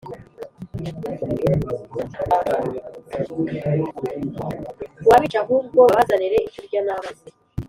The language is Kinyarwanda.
wabica Ahubwo babazanire ibyokurya n amazi